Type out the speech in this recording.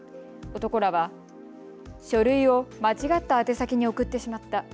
男らは書類を間違った宛先に送ってしまった。